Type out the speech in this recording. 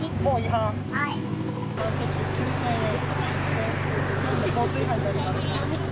反則として、９０００円、交通違反になります。